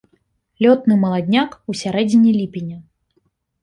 Лётны маладняк ў сярэдзіне ліпеня.